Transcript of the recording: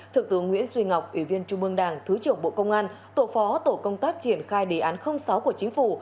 thượng tướng nguyễn duy ngọc ủy viên trung mương đảng thứ trưởng bộ công an tổ phó tổ công tác triển khai đề án sáu của chính phủ